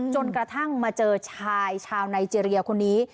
จนกระทั่งมาเจอชายชาวไนเจรียคนนี้